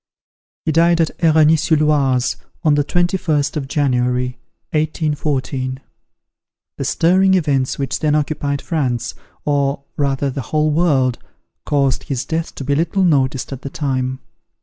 He died at Eragny sur l'Oise, on the 21st of January, 1814. The stirring events which then occupied France, or rather the whole world, caused his death to be little noticed at the time.